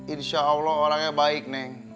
insya allah orangnya baik nih